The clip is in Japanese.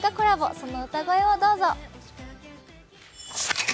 その歌声をどうぞ。